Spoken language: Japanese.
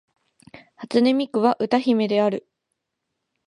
初音ミクは歌姫である